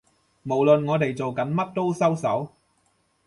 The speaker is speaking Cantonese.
無論我哋做緊乜都收手